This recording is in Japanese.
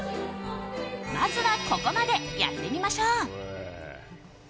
まずはここまでやってみましょう！